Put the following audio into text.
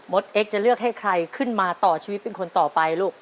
เอ็กซจะเลือกให้ใครขึ้นมาต่อชีวิตเป็นคนต่อไปลูก